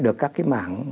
được các cái mạng